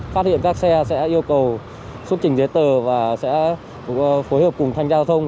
phát hiện các xe sẽ yêu cầu xuất trình giấy tờ và sẽ phối hợp cùng thanh gia giao thông